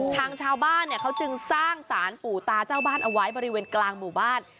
ทางชาวบ้านเนี่ยเขาจึงสร้างสารปู่ตาเจ้าบ้านเอาไว้บริเวณกลางหมู่บ้าน